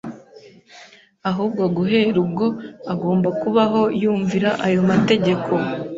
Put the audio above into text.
ahubwo guhera ubwo agomba kubaho yumvira ayo mategeko.